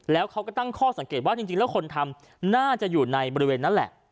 แล้วเขาก็ตั้งข้อสังเกตว่าจริงแล้วคนทำน่าจะอยู่ในบริเวณนั้นแหละ